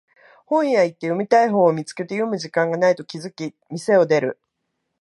本屋行って読みたい本を見つけて読む時間がないと気づき店を出る